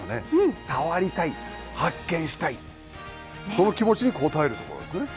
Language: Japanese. その気持ちに応える所ですね。